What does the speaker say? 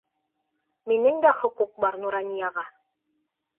Минең дә хоҡуҡ бар Нуранияға.